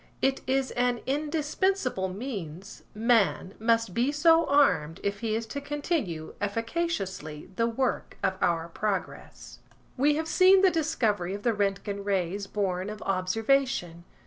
It is an indispensable means–man must be so armed if he is to continue efficaciously the work of our progress. We have seen the discovery of the Roentgen Rays born of observation.